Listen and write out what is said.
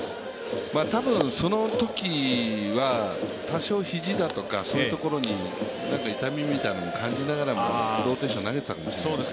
たぶん、そのときは多少肘だとか、そういうところに痛みみたいなものを感じながらローテーション投げてたんでしょうね。